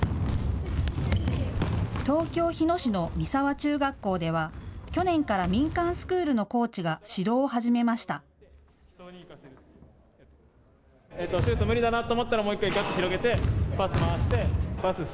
東京日野市の三沢中学校では去年から民間スクールのコーチが指導を始めました。